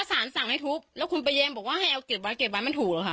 ถ้าสารสั่งให้ทุบแล้วคุณไปแย้งบอกว่าให้เอาเก็บวันเก็บวันมันถูกเหรอคะ